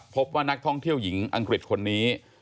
พบว่านักท่องเที่ยวหญิงอังกฤษคนนี้